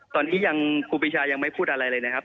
ตอนนี้ยังครูปีชายังไม่พูดอะไรเลยนะครับ